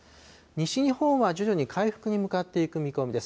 西日本は徐々に回復に向かっていく見込みです。